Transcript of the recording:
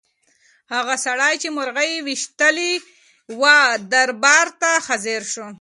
هغه سړی چې مرغۍ یې ویشتلې وه دربار ته حاضر شو.